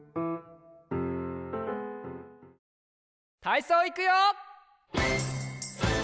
たいそういくよ！